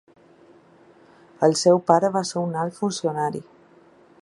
El seu pare va ser un alt funcionari.